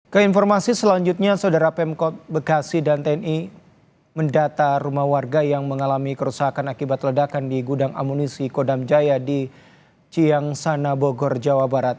keinformasi selanjutnya saudara pemkot bekasi dan tni mendata rumah warga yang mengalami kerusakan akibat ledakan di gudang amunisi kodam jaya di ciang sana bogor jawa barat